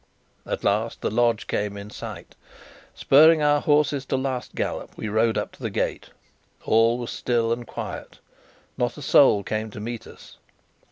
At last the lodge came in sight. Spurring our horses to a last gallop, we rode up to the gate. All was still and quiet. Not a soul came to meet us.